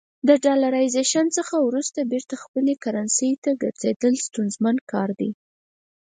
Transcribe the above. د ډالرایزیشن څخه وروسته بیرته خپلې کرنسۍ ته ګرځېدل ستونزمن کار دی.